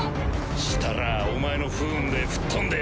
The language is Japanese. したらお前の不運で吹っ飛んでよぉ。